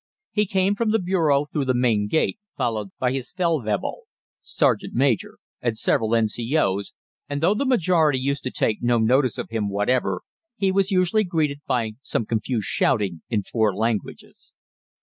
He came from the bureau through the main gate followed by his Feldwebel (sergeant major) and several N.C.O.'s, and, though the majority used to take no notice of him whatever, he was usually greeted by some confused shouting in four languages.